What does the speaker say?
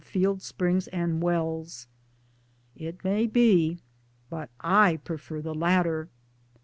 field springs and wells. It may be. But I prefer the latter.